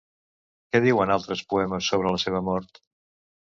Què diuen altres poemes sobre la seva mort?